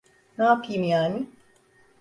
Ne yapayım yani?